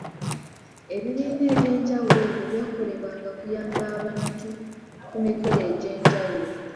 Ebibiina eby'enjawulo ebyo byakolebwanga kuyamba abantu ku mikolo egy’enjawulo.